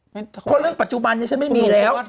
เพราะเรื่องปัจจุบันนี้ฉันไม่มีแล้ว